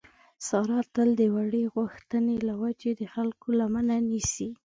ساره تل د وړې غوښتنې له وجې د خلکو لمنه نیسي.